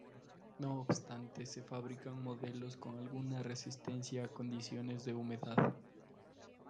No obstante se fabrican modelos con alguna resistencia a condiciones de humedad.